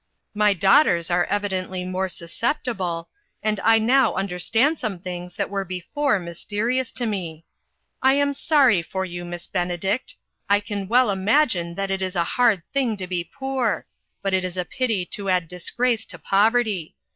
My daughters are evidently more susceptU ble, and I now understand some things that were before mysterious to me. 356 INTERRUPTED. " I am sorry for you, Miss Benedict. I can well imagine that it is a hard thing to be poor ; but it is a pity to add disgrace to poverty.